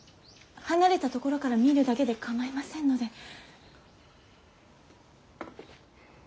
離れた所から見るだけで構いませんので。